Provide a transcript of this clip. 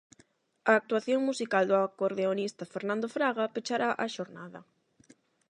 A actuación musical do acordeonista Fernando Fraga pechará a xornada.